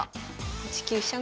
８九飛車